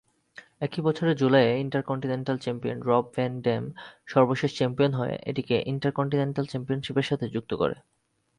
একই বছরের জুলাইয়ে intercontinental champion Rob Van Dam সর্বশেষ চ্যাম্পিয়ন হয়ে এটিকে ইন্টারকন্টিনেন্টাল চ্যাম্পিয়নশিপের সাথে যুক্ত করে।